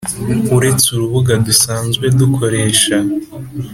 uretse urubuga dusanzwe dukoresha